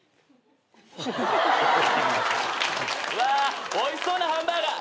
わあおいしそうなハンバーガー。